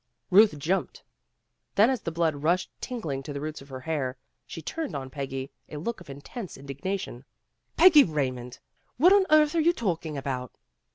Ruth jumped. Then as the blood rushed tingling to the roots of her hair, she turned on Peggy a look of intense indignation. "Peggy Raymond, what on earth are you talking about?"